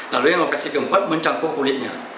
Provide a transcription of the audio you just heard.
lalu yang operasi keempat mencangkuk kulitnya